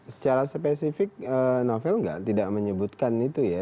bicara spesifik novel tidak tidak menyebutkan itu ya